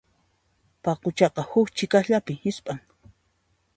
Paquchaqa huk chiqasllapi hisp'an.